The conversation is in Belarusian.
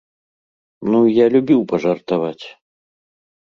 Ну, я любіў пажартаваць.